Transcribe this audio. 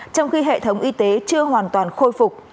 trong khi hệ thống y tế chưa hoàn toàn khôi phục